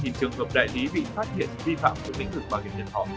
ba trường hợp đại lý bị phát hiện vi phạm với mĩnh vực bảo hiểm nhân thọ